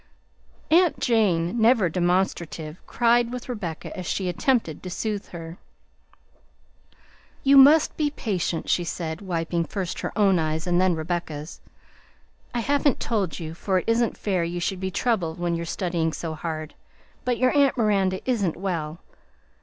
Aunt Jane, never demonstrative, cried with Rebecca as she attempted to soothe her. "You must be patient," she said, wiping first her own eyes and then Rebecca's. "I haven't told you, for it isn't fair you should be troubled when you're studying so hard, but your aunt Miranda isn't well.